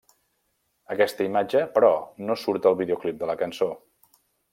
Aquesta imatge; però, no surt al videoclip de la cançó.